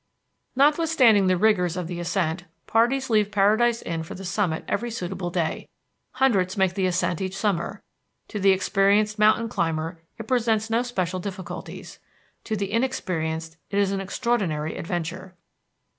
Notwithstanding the rigors of the ascent parties leave Paradise Inn for the summit every suitable day. Hundreds make the ascent each summer. To the experienced mountain climber it presents no special difficulties. To the inexperienced it is an extraordinary adventure.